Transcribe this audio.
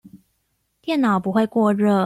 電腦不會過熱